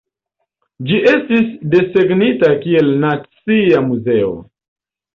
Ĝi estis desegnita kiel nacia muzeo.